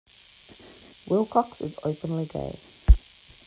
Wilcox is openly gay.